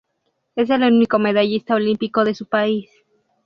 Es el único medallista olímpico de su país.